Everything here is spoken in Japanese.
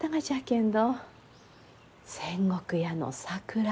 仙石屋の桜